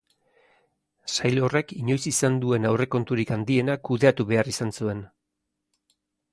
Sail horrek inoiz izan duen aurrekonturik handiena kudeatu behar izan zuen.